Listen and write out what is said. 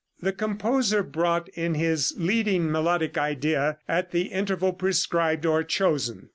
The composer brought in his leading melodic idea at the interval prescribed or chosen.